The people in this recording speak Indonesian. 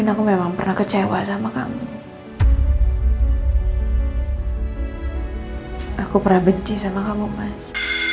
aku pernah benci sama kamu mas